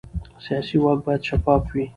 سیاسي واک باید شفاف وي